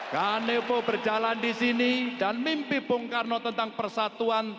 kanebo berjalan di sini dan mimpi pungkarno tentang persatuan